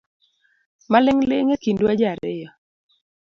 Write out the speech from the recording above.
Maling’ling’ ekindwa ji ariyo